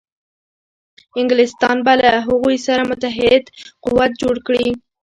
انګلیسیان به له هغوی سره متحد قوت جوړ کړي.